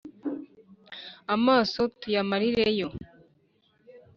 amaso tuyamarireyo